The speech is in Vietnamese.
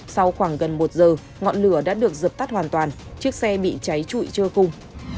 sau khoảng gần một giờ ngọn lửa đã được dập tắt hoàn toàn chiếc xe bị cháy trụi chơi cùng